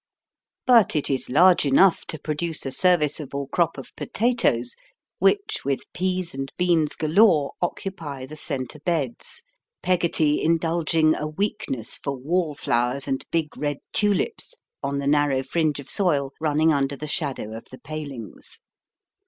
But it is large enough to produce a serviceable crop of potatoes, which, with peas and beans galore occupy the centre beds, Peggotty indulging a weakness for wallflowers and big red tulips on the narrow fringe of soil running under the shadow of the palings.